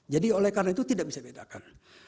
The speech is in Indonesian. jadi oleh karena itu tidak bisa dibedakan